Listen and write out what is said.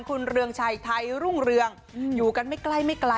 คุณเรืองชัยไทยรุ่งเรืองอยู่กันไม่ใกล้ไม่ไกล